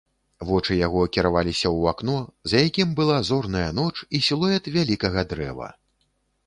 Вочы яго кіраваліся ў акно, за якім была зорная ноч і сілуэт вялікага дрэва.